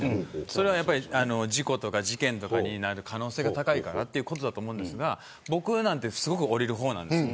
それは事故とか事件になる可能性が高いからということだと思いますが僕なんてすごく降りる方なんです。